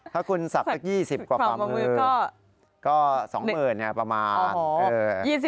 ถ้าคุณศักดิ์สัก๒๐กว่าฝ่ามือก็๒๐๐๐เนี่ยประมาณ